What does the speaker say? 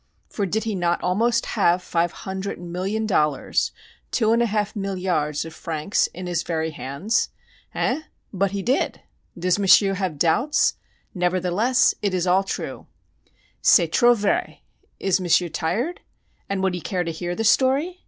For did he not almost have five hundred million dollars two and a half milliards of francs in his very hands? Hein? But he did! Does M'sieu' have doubts? Nevertheless it is all true. C'est trop vrai! Is M'sieu' tired? And would he care to hear the story?